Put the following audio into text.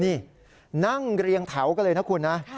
นี่นั่งเรียงแถวกันเลยนะคุณนะ